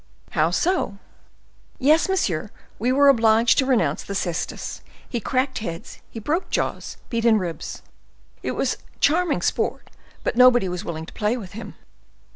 "How so?" "Yes, monsieur, we were obliged to renounce the cestus. He cracked heads; he broke jaws—beat in ribs. It was charming sport; but nobody was willing to play with him."